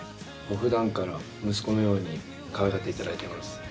普段から息子のようにかわいがっていただいてます。